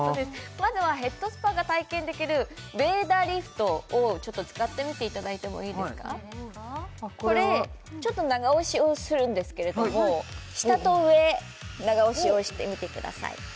まずはヘッドスパが体験できるヴェーダリフトをちょっと使ってみていただいてもいいですかこれちょっと長押しをするんですけれども下と上長押しをしてみてください